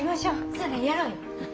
そうねやろうよ。